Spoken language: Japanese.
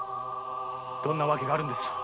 どんな訳があるんですか？